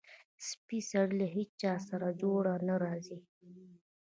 سپی سړی له هېچاسره جوړ نه راځي.